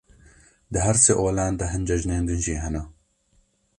Di her sê olan de hin cejnên din jî hene.